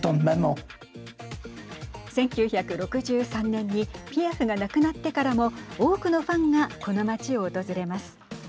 １９６３年にピアフが亡くなってからも多くのファンがこの町を訪れます。